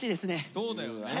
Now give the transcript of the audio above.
そうだよね。